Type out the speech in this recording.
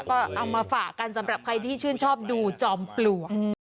ก็เอามาฝากกันสำหรับใครที่ชื่นชอบดูจอมปลวก